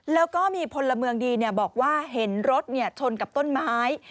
แล้วก็มีพลเมืองดีบอกว่าเห็นรถชนกับต้นไม้